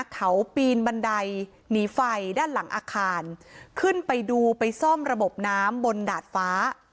เขาปีนบันไดหนีไฟด้านหลังอาคารขึ้นไปดูไปซ่อมระบบน้ำบนดาดฟ้า